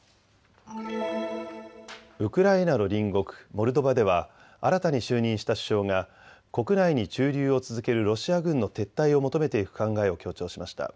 ウクライナの隣国モルドバでは新たに就任した首相が国内に駐留を続けるロシア軍の撤退を求めていく考えを強調しました。